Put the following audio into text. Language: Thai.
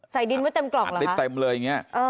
ใส่ดินไว้เต็มกล่องเหรอฮะอันได้เต็มเลยอย่างเงี้ยอ่า